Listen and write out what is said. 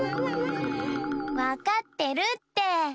わかってるって。